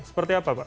seperti apa pak